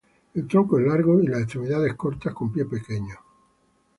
El tronco es largo y las extremidades cortas con pies pequeños.